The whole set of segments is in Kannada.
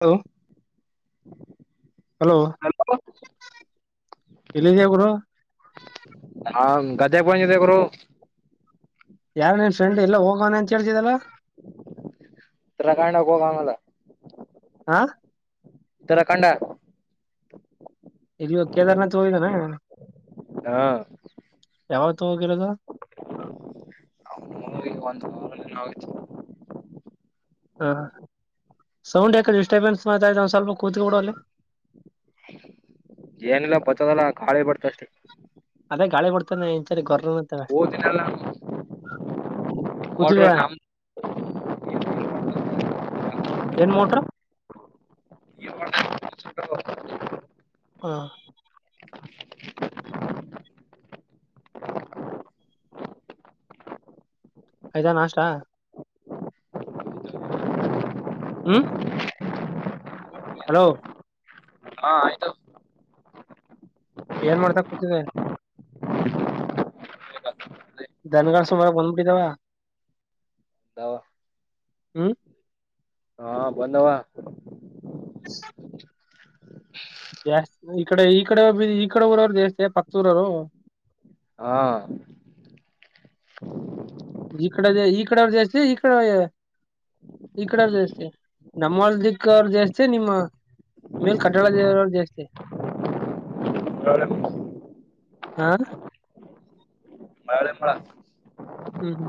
ಹಲೋ ಹಲೋ ಹ ಎಲ್ದ್ದೀಯಾ ಗುರು ನಾನ್ ಗದ್ದೆಗೆ ಬಂದಿದೆ ಗುರು. ಯಾರು ನೀನ್ ಫ್ರೆಂಡ್ ಎಲ್ಲೋ ಹೋಗವ್ನೆ ಅಂತ ಹೇಳ್ತಿದ್ದಲ್ಲ ರಾಘಣ್ಣಗೊಗವಲ್ಲ ಹಾ ಇತರ ಕಂಡ ಇಲ್ ಇವಾಗ್ ಕೇದಾರನಾಥಗ ಹೋಗಿದಾನಾ ಹಾ ಯವತ್ ಹೋಗಿರೋದು? ಮೂಗೆ ಒಂದು [unintelligible] ಆಯ್ತು ಹಾ ಸೌಂಡ್ ಯಾಕ ಡಿಸ್ಟರ್ಬೆನ್ಸ್ ಮಾತತ ಒಂದ್ ಸ್ವಲ್ಪ ಕೂತ್ ಬಿಡಲ್ಲಿ ಎನ್ ಲಾ ಪತ್ತೇದನ [unintelligible] ಕಾಳಿ ಬಡ್ತಷ್ಟೆ ಅದೇ ಗಾಳಿ ಬರ್ತ್ ಎನ್ಚರಿ ಗೊರ್ಲಾನ್ತವ್ ಓದಿನಲ್ಲ [unintelligible] ನೋಡ್ರ ಕುುದಲಯ ನಮ್ ಏನ್ ಮೋಟ್ರು? ಏನ್ ಮಾಡ್ [inaudible] ಹಾ ಆಯ್ತಾ ನಾಷ್ಟಾ? ಹ್ಮ ಹಲೋ ಹಾ ಆಯ್ತು ಏನ್ ಮಾಡ್ತಾ ಕೂತಿದೆ? ಧನಗ ಸುಮಾರಾಗ್ ಬಂದ್ಬಿಟ್ಟಿದ್ದಾವ, ಹ್ಮ್ ಹಾ ಬಂದವಾ ಜಾಸ್ತಿ ಈ ಕಡೆ ಈ ಕಡೆ ಊರವ್ರು ಜಾಸ್ತಿಯ ಪಕ್ದ್ ಊರೋರು? ಹಾ ಈ ಕಡೆದೆ, ಈ ಕಡೆ ಅವ್ರ ಜಾಸ್ತಿ ಈ ಕಡೆ ಈ ಕಡೇವ್ರ ಜಾಸ್ತಿ ನಮ್ವಲ್ ದಿಕ್ಕವ್ರ್ ಜಾಸ್ತಿ ನಿಮ್ಮ ಮೇಲ್ ಕಟ್ಟೆ ಒಳ್ಗ್ ಇರೋವ್ರು ಜಾಸ್ತಿ ಹಾ ಮಳೆ ಮಳ ಹ್ಮ್ ಹ್ಮ್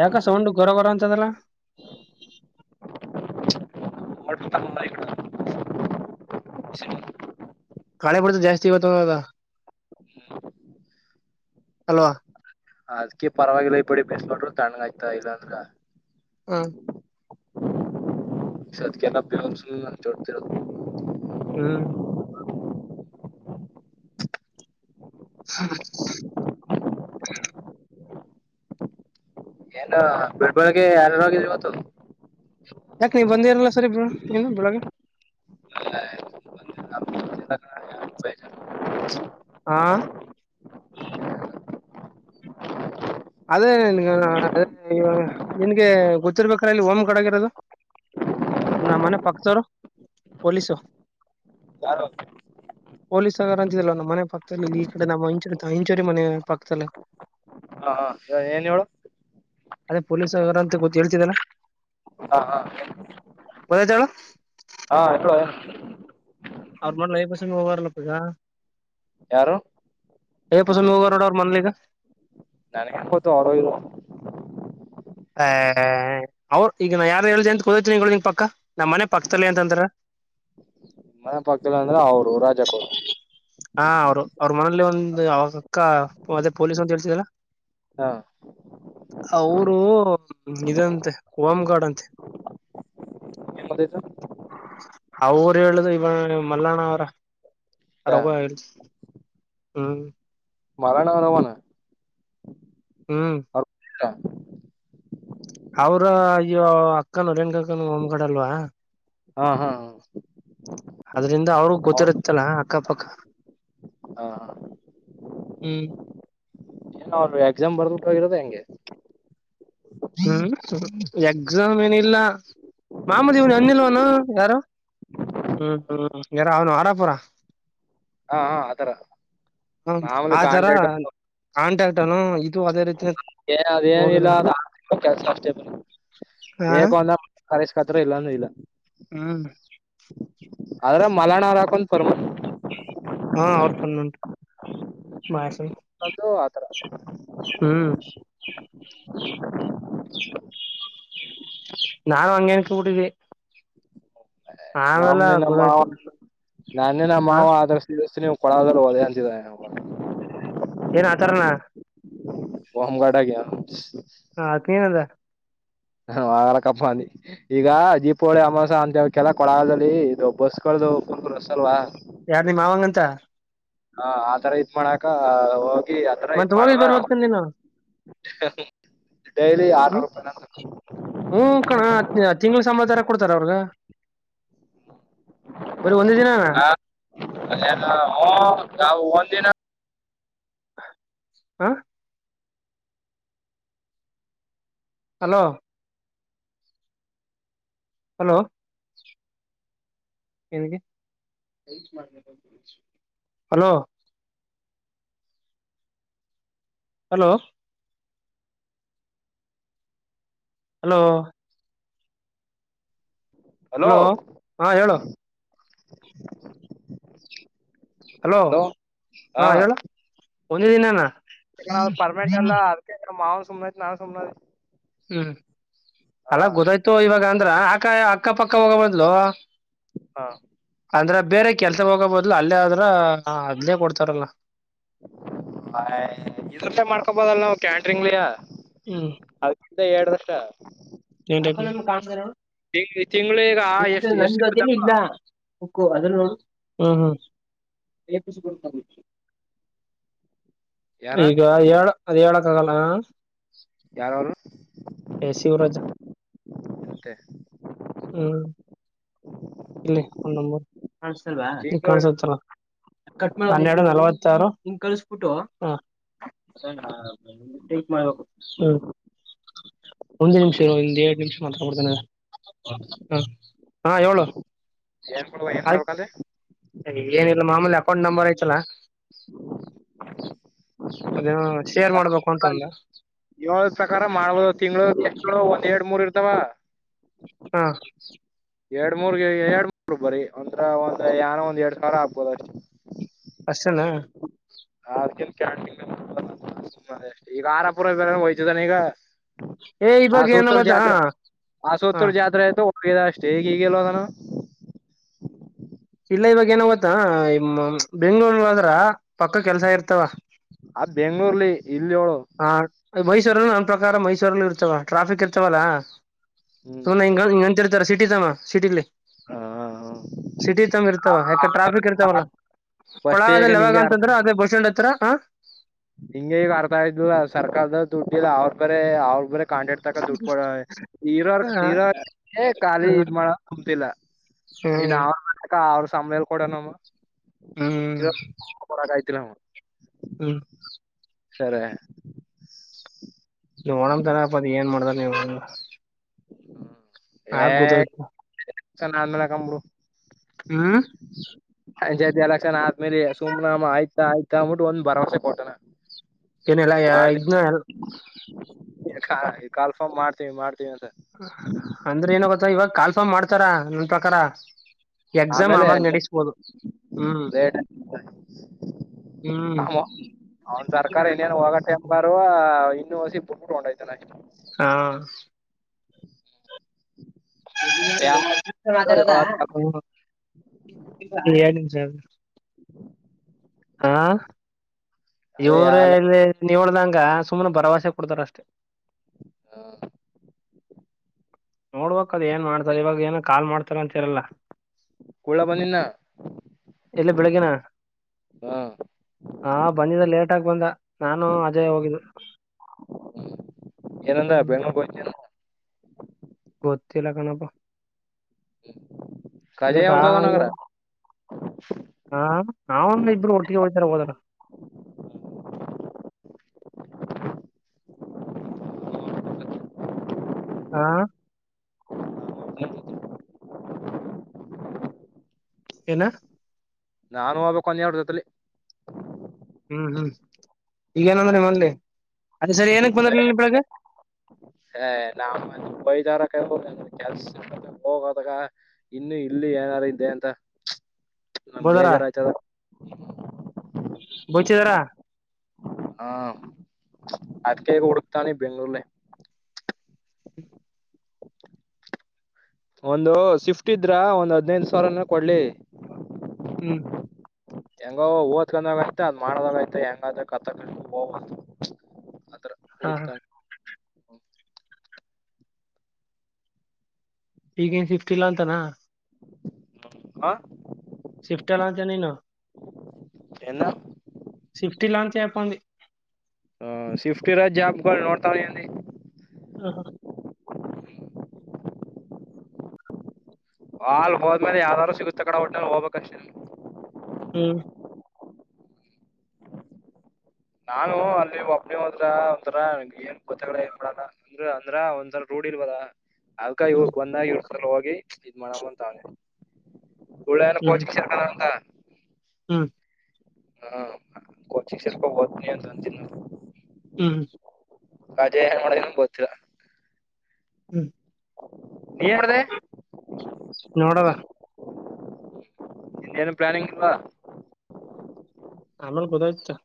ಯಾಕ ಸೌಂಡ್ ಗೊರ ಗೊರ ಅಂತದಲ್ಲ ಕಾಳೆ ಬಡತ ಜಾಸ್ತಿ ಇಗತ್ತು ಅದ ಅಲ್ವಾ ಅದ್ಕಿ ಪರವಾಗಿಲ್ಲ ಇ ಬಿಡಿ ಬಸ್ಬಟ್ರರು ತಣ್ಣಗ ಆಯ್ತಾ ಇಲ್ಲಾಂದ್ರ ಹ್ಮ ಸದ್ಕೆಲ್ಲ ಪಿವಂಸು [unintelligible] ಜೋಡ್ತಿರ ಹ್ಮ್ ಹ್ಮ ಎಲ್ಲ ಬೆಳ್ಬೆಳ್ಗೆ ಎಲ್ಲೋಗಿ ಓತು ಯಾಕ ನೀವ ಬಂದೇ ಇರಲ್ಲ ಸರಿ ಏನು ಬೆಳಗ್ಗೆ ಆಹ್ ಅದೇ ನಿನ್ಗೆ ನಿನ್ಗೆ ಗೊತ್ತಿರ್ಬೇಕ್ರ ಇಲ್ಲಿ ಓಮ ಕಡಗಿರೋದು ನಮ್ಮ ಮನೆ ಪಕ್ದವರು ಪೋಲೀಸು ಯಾರು ಪೊಲೀಸಗಾರ ಅಂತಿದಲ್ವ ನಮ್ಮ ಮನೆ ಪಕ್ಕದಲ್ಲಿ ಈ ಕಡೆ ನಮ್ಮ ಹಂಚೂರಿ ಇಂಚೋರಿ ಮನೆ ಪಕ್ಕದಲ್ಲಿ ಹ ಏನ್ ಹೇಳೂ ಅದೇ ಪೊಲೀಸು ಯಾರಂತ ಗೊತ್ತ ಹೇಳ್ತಿದರ, ಹಾ ಹಾ ಗೊತ್ತಾಯ್ತ? ಹಾ [unintelligible] ಅವ್ರ್ ಮಗ್ಳು ಹೈಯರ್ ಪಾಸಿಷನ್ಗೆ ಹೋಗಾರಲ್ಲಪ್ಪ ಈಗ ಯಾರು [unintelligible] ರ್ನೋಡು ಅವ್ರ್ ಮನ್ಲಿಗ ಇಪ್ಪತ್ತು ಆರು ಏಳ್ ಅಹ ಅವ್ರು ಈಗ ನಾ ಯಾರು ಹೇಳ್ದ ಅಂತ ಕೂದತನಿ ನಿಂಗ ಪಕ್ಕ ನಮ್ಮ್ ಮನೆ ಪಕ್ಕದಲ್ಲಿ ಅಂತಂದ್ರ ಮನೆ ಪಕ್ದಲ್ ಅಂದ್ರೆ ಅವ್ರು ರಾಜಪ್ಪೋರು ಹಾ ಅವ್ರು, ಅವ್ರ್ ಮನೆಲ್ಲಿ ಒಂದು ಅವ್ರ್ ಅಕ್ಕ ಮತ್ತೆ ಪೊಲೀಸ್ ಅಂತೇಳ್ತಿದಲ್ಲ ಹಾ ಅವ್ರೂ ಓ ಇದಂತೆ ಓಮ್ಗಾರ್ಡ್ ಅಂತೆ [unintelligible] ಅವರು ಹೇಳುದು ಇವ ಮಲ್ಲಾಣ. [unintelligible] ಅ ರೋವ್ವಾ ಹೇಳ್ದ್ ಹ್ಮ. ಮರಣಾರವನ. ಹ್ಮ್ ಅವ್ರ ಅಯ್ಯೋ ಅಕ್ಕನ [unintelligible] ಒಮ್ಗಡ ಅಲ್ವಾ. ಹಾ ಹಾ. ಅದ್ರಿಂದ ಅವ್ರೂ ಅವ್ರ ಗೊತ್ತಿರುತ್ತಲ್ಲ ಅಕ್ಕಪಕ್ಕ ಹಾ ಹ್ಮ್ ಏನ ಅವರು ಎಕ್ಸಾಮ್ ಬರ್ದಬಿಟ್ಟುೋಗಿರದ ಹೆಂಗೆ ಹ್ಮ್ ಹುಂ ಎಕ್ಸಾಮ್ ಏನಿಲ್ಲ ಮಾಮದಿ ಇವ್ನು ಅನ್ನಿಲ್ವನು ಯಾರು ಹ್ಮ್ ಹ್ಮ್ ಯಾರ ಅವನು ಆರಪುರ. ಹಾ ಹಾ ಆತರ ಹ ಮಾಮೂಲಿ ಆ ಜರ ಕಾಂಟ್ರಾಕ್ಟ್ ಕಾಂಟ್ಯಾಕ್ಟ್ ಅನ್ನು ಇದು ಅದೇ ರೀತಿ. ಏ ಹೋಗಿರ ಅದೇಏನಿಲ್ಲ ಅದ್ ಅ ಕೆಲಸ ಅಷ್ಟೇ [unintelligible] ಹ ಬೇಗಂದ್. [unintelligible] ಹತ್ರ ಇಲ್ಲಾ ಅಂದ್ರೆ ಇಲ್ಲಾ. ಹ್ಮ್ ಆದ್ರ ಮಲ್ಲಾಣ್. [unintelligible] ಪ್ರಮನ್. ಹಾ ಅವ್ರ ಪಣಂಟು ಮಹೇಸಣ್ಣ ಒಂದು ಆತರ ಹ್ಮ್ ನಾನು ಹಂಗೆ ಅನ್ಕಬುಟಿದ್ದೆ ನಮ್ಮ್ನೆ ನಮ್ಮ ಮಾವ ನಾನೇ ನಮ್ಮ ಹ ಮಾವ ಆದ್ರ ಸಿಸ್ ನೀವ್ ಕೊಳ್ಳಾಗಲ್ದಾವ್ರು ಅದೇ ಅಂತಿದ ವ. ಏನ್ ಆತರನ. ಒಂಗಡಾಗ ಯಣ್. ಹಾ ಆತ್ ಏನದ್. ಹೂ ಹೊಳ್ಕ್ಕಪ್ಪ ಅಂದಿ ಈಗ ದೀಪೋಳಿ ಅಮಾಸ ಅಂತವ ಕೆಲ್ಲ ಕೊಳ್ಳಗಾಲ್ದಲ್ಲಿ ಇದು ಬಸ್ಗಳ್ದು ಫುಲ್ ರಸ್ಸ ಅಲ್ವಾ. ಯಾರ್ ನಿನ್ ಮಾವಂಗಂತ. ಹ ಆತರ ಇದ್ ಮಾಡಾಕ. [unintelligible] ಆತರ ಇದ್ ಮತ್ ಹೋಗಿ ಮಾಡ್ರ ಬರ್ಬೇಕ ನೀನು ಡೈಲಿ ಆರ್ನೂರು ರೂಪಾಯ ಹ್ಮ ಕಣ ತಿಂಗಳ ಸಂಂಬತ್ ತರ ಕೊಡ್ತಾರ ಅವ್ರಗ ಬರಿ ಒಂದು ದಿನ ಅಲ್ಲ ಹ ಗಾವು ಒಂದಂದಿನ ಹ ಹಲೋ ಹಲೋ ಏನುಗೆ hello hello hello. Hello hello ಹೇಳೋ. ಹಲೋ ಹಾ ಹೇಳ್. ಕೊನೆ ದಿನನಾ ಇಲ್ಲ ಕಣಾ ಅದು ಪರ್ಮನೆಂಟ್ ಅಲ್ಲ ಅದ್ಕೆ ಸುಮ್ನಾಯ್ತ್ ನಾವು ಸುಮ್ನದ್ವಿ ಹ್ಮ್ ಅಲಾ ಗೊತ್ತಾಯ್ತು ಇವಾಗ ಅಂದ್ರ ಆಕಾಯ ಅಕ್ಕ ಪಕ್ಕ ಹೋಗೋ ಬದ್ಲು ಹಾ ಅಂದ್ರ ಬೇರೆ ಕೆಲ್ಸ ಹೋಗಬಹದು ಇಲ್ಲ ಅಲ್ಲೇ ಆದ್ರ ಅದನೇ ಕೊಡ್ತಾರಲ್ಲ ಹ ಇದ್ರಲ್ಲೇ ಮಾಡ್ಕೋಬಹುದು ಅಲ್ವಾ ನಾವು ಕ್ಯಾಂಟ್ರಿಂಗ್ಲಯ ಹ್ಮ ಇದೆ ಎರ್ಡ್ ವರ್ಷ ತಿಂಗ್ ತಿಂಗಳು ಈಗ [unintelligible] ಎಷ್ಟ್ ಎಷ್ಟ್ ನಂಗದೇನ್ ಸಿಕ್ಕುದಪ್ಪ ಇಲ್ಲಾ ಹಕೋ ಅದುನ್ನ ಹ್ಮ್ ಹ್ಮ್ ಯಾರ [inaudible] ಈಗ ಏಳ ಅದೇಳ ಹಲ್ಲ ಯಾರವರು ಹೇ ಶಿವರಾಜ ಮತ್ತೆ ಹ್ಮ್ ಇಲ್ಲಿ ಅವ್ನ್ ನಂಬರ್ ಕಾಣಿಸ್ತಿಲ್ವಾ, ಈಗ ತಿಂಗಳು ಕಾಣ್ಸ್ತೈತಲ ಹನ್ನೆರಡು ನಲ್ವತ್ತಾರು ಹ್ ಒಂದು ನಿಮಿಷ ಇರು ಒಂದೆರಡು ನಿಮಿಷ ಮಾತಾಡ್ ಬಿಡ್ತೀನಿ ಹ ಹಾ ಹೇಳು ಏನ್ ಮಾಡುವ ಏನ್ ಆಯ್ತು ಮಾಡಬೇಕಾದ್ರೆ ಏನಿಲ್ಲ ಮಾಮೂಲಿ ಅಕೌಂಟ್ ನಂಬರ್ ಆಯ್ತಲ್ಲಾ ಅದೇನೋ ಶೇರ್ ಮಾಡ್ಬೇಕು ಅಂತಂದ ಏಳು ಪ್ರಕಾರ ಮಾಡ್ಬೋದು ತಿಂಗಳು ಎಷ್ಟ ಒಂದ ಎರಡ್ ಮೂರ್ ಇರ್ ತ್ತವಾ ಹಾ ಎರಡ್ ಮೂರ್ಗೆ ಎರಡ್ ಮೂರು ಬರಿ ಅಂದ್ರ ಏನೋ ಒಂದ್ ಎರಡ್ ಸಾವಿರ ಆಗ್ಬೋದು ಅಷ್ಟೆ ಅಷ್ಟೇನಾ ಅದ್ಯಾ ಅಷ್ಟೇ ಈಗ ಆರಪುರ ಹೊಯ್ತಿದ್ದಾನ ಈಗ ಏ ಇವಾಗ ಏನ ಆಸೋತ್ತರ ಗೊತ್ತಾ ಜಾತ್ರೆ ಹ ಆಶುತ್ತರ ಜಾತ್ರೆ ಆಯ್ತು [unintelligible] ಇಲ್ಲ ಇವಾಗ ಏನು ಗೊತ್ತಾ ಬೆಂಗಳೂರ್ ಹೋದ್ರ ಪಕ್ಕ ಕೆಲ್ಸ ಇರ್ತಾವ ಆ ಬೆಂಗ್ಳೂರ್ಲ್ಲಿ ಇಲ್ಲಿ ಹೇಳು ಹಾ ಮೈಸೂರಲ್ಲ ನನ್ ಪ್ರಕಾರ ಮೈಸೂರಲ್ಲ ಇರ್ತವ ಟ್ರಾಫಿಕ್ ಇರ್ತವಲ್ಲಾ ಹ್ಮ್ [unintelligible] ಸಿಟಿ ಜನ ಸಿಟಿಲ್ಲಿ ಸಿಟಿ ತನ ಇರ್ತಾವ ಯಾಕೆ ಹ ಟ್ರಾಫಿಕ್ ಇರ್ತವಲ್ಲ ಫಸ್ಟ್ ಈಗ ಕೊಳಾಗದಲ್ಲಿ ಯಾವಾಗ ಅಂತಂದ್ರ ಅದೆ ಬಸ್ ಸ್ಟ್ಯಾಂಡ್ ಹತ್ರ ಹಾ ಹಿಂಗ ಈಗ ಅರ್ಥ ಇದ್ ಸರ್ಕಾರದ ದುಡ್ಡಿಲ್ಲ ಅವ್ರ ಬರ ಅವ್ರ ಬರ ಕಾಂಡ ಇಡ್ತಕ ದುಡ್ಡು ಕೊಡ ಇರರ್ರ ಖಾಲಿ ಹ್ಮ್ ಇದ್ ಮಾಡ ಕುಮ್ತಿಲ್ಲ ಇನ್ ಮಾಡ ಅವ್ರ [unintelligible] ಹ್ಮ್ ಕೊಡಕ್ ಆಯ್ತಿಲ್ಲ ನಮ್ ಹ್ಮ್ ಸರಿ ನೀವು ಏ ಚನ ಆಮೇಲೆ ಹಾಕನ ಬಿಡು ಹ್ಮ್ ಪಂಚಾಯಿತಿ ಎಲೆಕ್ಷನ್ ಆದ್ಮೇಲೆ ಸುಮನಾಮ ಆಯ್ತಾ ಆಯ್ತಾ ಅಂದಬಿಟ್ಟ ಒಂದು ಭರವಸೆ ಕೊಟ್ಟಣ ಏನೆಲ್ಲಾ ಇದ್ನ್ನ [inaudible] ಕಾಲ್ಫ್ ಮಾಡ್ತತಿವಿ ಮಾಡ್ವಿ ಅಂದ್ರೆ ಏನಾಗತ್ತ ಇವಾಗ ಕಾಲ್ಫಾಮ್ ಮಾಡ್ತಾರ ನಂದ ಪ್ರಕಾರ ಎಕ್ಸಾಮ್ ಆಮೇಲೆ ಆಮಾಗ ನಡೆಸ್ಬೋದು ಹ್ಮ್ ಹ್ಮ್ ಅವನ್ ಸರ್ಕಾರ ಇನೇನ್ ಹೋಗಟೆಂಬರುವ ನ ಬು ಬುಡಡ ಇದನೆ ಹಾ ಯಾವ್ದು ಮಾತಾಡದ ಏಳ [inaudible] ಹಾ ಅದೇ ಇವ್ರೇ ಯಾಲ ಎಲ್ಲಿ ನೀವಳ್ದಂಗ ಸುಮ್ ಭರವಸೆ ಕೊಡ್ತಾರ್ ಅಷ್ಟೇ ಹಾ ನೋಡ್ಬೇಕ್ ದ ಏ ಮಾಡ್ತಾ ಇವಾಗ ಏನ್ ಕಾಲ್ ಮಾಡ್ಬೇಕ್ ತಕನ್ ಚೇರಲ್ಲ ಕುಳ್ಳ ಬಂದಿನ ಎಲ್ಲಿ ಬೆಳಗ್ಗೆನಾ. ಹ ಹಾ ಲೇಟಾಗ್ ಬಂದ. ನಾನು ಅಜಯ ಹೋಗಿದ್ದೋ ಏನಂದ ಹೂ ಬೆಂಗ್ಳೂರ್ಗ್ [inaudible] ತಿಲ್ಲಕಣಪ್ಪ ಕಜಯ ಹೌತುಹಂಗಾರೆ [inaudible] ಅವರಿಬ್ರೂ ಒಟ್ಟಿಗೆ ಹೋಗ್ತಾರೆ ಹೋದಾಗ. ಹಾ ಏನ ನಾನು ಹೋಗ್ಬೇಕು ಅಂಗೆ ಅವ್ರ್ ಜೊತೇಲಿ. ಹ್ಮ್ ಹ್ಮ್ ಹ ಈಗೇನಂದ್ರ ನಿಮ್ಮಲ್ಲಿ ಅದೇ ಸರಿ ಏನಕ್ ಬಂದ್ರ ಇಲ್ಲಿ ಬೆಳಗ್ಗೆ ಹ ನಮ್ಮ ಬೈದರ ಕೆಲ್ಸ ಹೋಗದಾಗ ಇನ್ನು ಇಲ್ಲಿ ಏನಾರು ಇದ್ದೆ ಅಂತ ನಮ್ ಬೋದಾರ ಬೇಜಾರ ಆಯ್ತ ಬಚಿಿದ್ದಾರ ಹಾ ಅದ್ಕೇಗ ಹುಡುಕ್ತಾನೆ ಬೆಂಗಳೂರ್ಲ್ಲ ಒಂದು ಶಿಫ್ಟ್ ಇದ್ರ ಒಂದ್ ಹದ್ಿನೈದು ಸಾವಿರನ ಕೊಡ್ಲಿ ಹ್ಮ್ ಹೆಂಗ ಓದ್ಕೊಂಡಾಗೈತೆ ಅದ್ ಮಾಡದಾಗೈತೆ ಹೆಂಗಾದ ಕತ್ತಕ ಹ ಹಾ ಹಾ ಈಗೇನ್ ಸಿಫ್ಟಿ ಇಲ್ಲಾ ಅಂತಾನ ಹಾ ಶಿಫ್ಟಲ್ಲ ಅಂತನ ನ ಎನ್ನ ಶಿಫ್ಟಿ ಲಾಂಚ್ ಅಯಪಿ ಆ ಶಿಫ್ಟ್ ಇರದ ಗುಳ್ನ ನೋಡ್ತಿದೀನಿ. ಹ ಹ [unintelligible] ಹಾಲ್ ಹೋದ್ಮೇಲೆ ಯಾವ್ದಾರೂ ಸಿಗುತ್ತೆ ಕಡೆ ಒಟ್ಟಲ್ಲಿ ಹೋಗ್ಬೇಕಕ್ ಅಷ್ಟೇಲ್ಲಿ ಹ್ಮ ನಾನು ಅಲ್ಲಿ ಒಬ್ನ ಹದ್ರ ಒಂಂತರಾ ಏನ್ ಗೊತ್ತಾಗ ಏನ್ ಮಾಡಲ್ಲ ಅಂದ್ರ ಅಂದ್ರ ಒಂದ್ಸಲ ರೋಡಿ ಇಲ್ವಲ್ಲ. ಅದಕ್ಕ ಹ್ಮ್ ಇದುಕ್ಕೆ ಒಂದಗಿರ್ ಸಲುವಾಗಿ ಮಾಡೋಣ ಅಂತ ಅಂದೆ. ಉಳ್ಳೆನು ಹ್ಮ್ ಕೋಚಿಂಗ್ ಸೆಂಟರಂತಾ ಹ್ಮ್ ಹು ಕೋಚಿಂಗ್ ಸ್ವಲ್ಪ ಓದ್ತೀನಿ ಅಂತಿದ್ನಪ್ಪ. ಹ್ಮ್ ಇದೇನೇ ಮಾಡಿದ್ದಾನೆ ಗೊತ್ತಿಲ್ಲ. ಹ್ಮ್ ಏನ್ ಮಾಡ್ದೆ ನೋಡದ ಇನ್ನೇನು ಪ್ಲಾನಿಂಗ್ ಇಲ್ವಾ ಆಮೇಲ್ ಗೊತ್ತಾಯಿತ್ ತಾ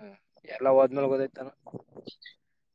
ಹ್ಮ್ ಎಲ್ಲಾ ಹೋದ್ಮೇಲ್ ಹಓದೈತಾನ [inaudible]